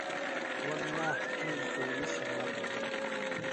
واللّٰہ تھی زوینیۡ شراب ہِنیۡ۔